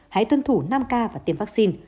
hãy tuân thủ năm k và tiêm vaccine